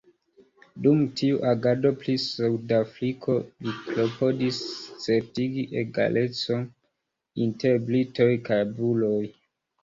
Dum tiu agado pri Sudafriko, li klopodis certigi egalecon inter Britoj kaj Buroj.